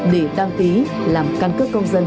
để đăng ký làm căn cấp công dân